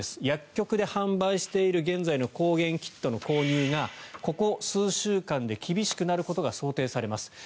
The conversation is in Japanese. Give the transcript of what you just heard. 薬局で販売している現在の抗原検査キットの購入がここ数週間で厳しくなることが想定されます。